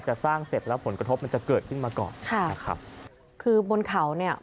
สร้างเสร็จแล้วผลกระทบมันจะเกิดขึ้นมาก่อนค่ะนะครับคือบนเขาเนี่ย